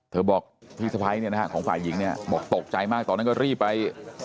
เธอบอกพี่สไพรของฝ่ายหญิงตกใจมากตอนนั้นก็รีบไป